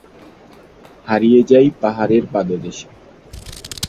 হারিয়ে যাই পাহাড়ের পাদদেশে।